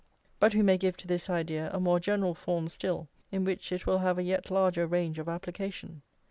But we may give to this idea a more general form still, in which it will have a yet larger range of application.